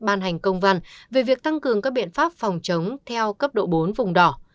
ban hành công văn về việc tăng cường các biện pháp phòng chống theo cấp độ bốn vùng đỏ